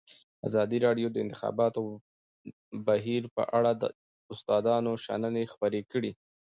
ازادي راډیو د د انتخاباتو بهیر په اړه د استادانو شننې خپرې کړي.